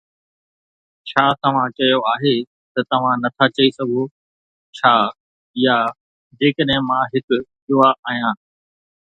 ڇا توهان چيو آهي ته توهان نٿا چئي سگهو 'ڇا يا جيڪڏهن مان هڪ جوا آهيان؟